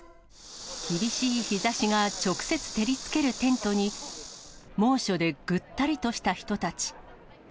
厳しい日ざしが直接照りつけるテントに、猛暑でぐったりとした人たち。